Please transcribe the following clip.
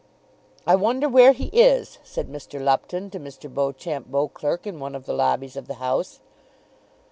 "I wonder where he is," said Mr. Lupton to Mr. Beauchamp Beauclerk in one of the lobbies of the House.